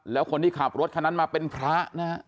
แล้วคนที่ขับรถคันนั้นมาเป็นพระนะฮะ